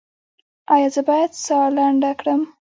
ایا زه باید ساه لنډه کړم؟